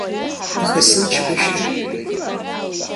Аха исымчгәышьои.